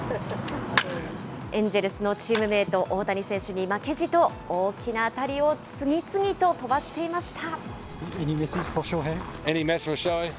エンジェルスのチームメート、大谷選手に負けじと、大きな当たりを次々と飛ばしていました。